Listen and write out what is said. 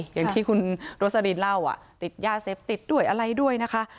อย่างที่คุณโรสลินเล่าติดยาเสพติดด้วยอะไรด้วยนะคะ